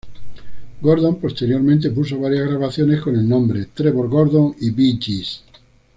Gordon posteriormente puso varias grabaciones con el nombre, Trevor Gordon y Bee Gees.